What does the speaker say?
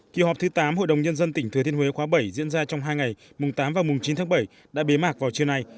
kỳ họp thứ tám hội đồng nhân dân tỉnh thừa thiên huế khóa bảy diễn ra trong hai ngày mùng tám và mùng chín tháng bảy đã bế mạc vào trưa nay